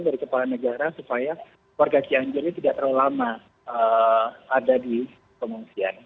dari kepala negara supaya warga cianjuri tidak terlalu lama ada di kemungsian